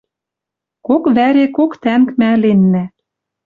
Кок вӓре кок тӓнг мӓ ӹленнӓ